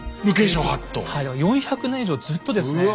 だから４００年以上ずっとですね